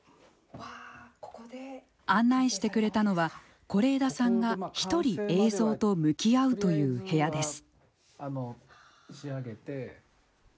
案内してくれたのは是枝さんがひとり映像と向き合うという部屋です。